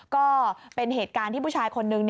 ก็เป็นเหตุการณ์ที่ผู้ชายคนนึง